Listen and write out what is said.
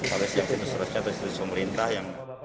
kalau situs resmi atau situs pemerintah yang